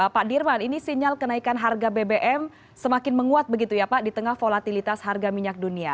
pak dirman ini sinyal kenaikan harga bbm semakin menguat begitu ya pak di tengah volatilitas harga minyak dunia